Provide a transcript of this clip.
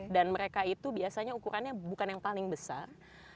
dan mereka itu biasanya ukurannya bukan yang paling besar